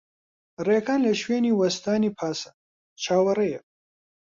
ڕێکان لە شوێنی وەستانی پاسە، چاوەڕێیە.